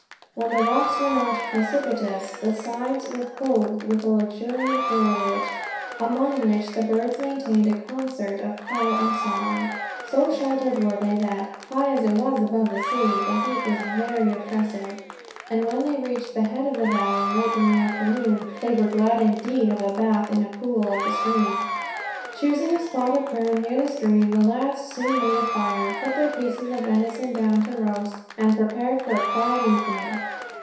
When the rocks were not precipitous the sides were clothed with a luxuriant foliage, among which the birds maintained a concert of call and song. So sheltered were they that, high as it was above the sea, the heat was very oppressive; and when they reached the head of the valley, late in the afternoon, they were glad indeed of a bathe in a pool of the stream. Choosing a spot of ground near the stream, the lads soon made a fire, put their pieces of venison down to roast, and prepared for a quiet evening.